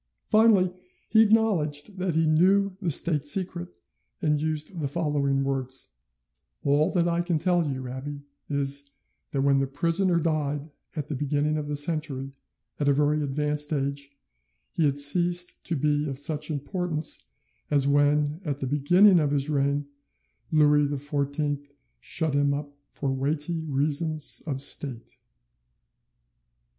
Finally he acknowledged that he knew the state secret, and used the following words: "All that I can tell you, abbe, is, that when the prisoner died at the beginning of the century, at a very advanced age, he had ceased to be of such importance as when, at the beginning of his reign, Louis XIV shut him up for weighty reasons of state."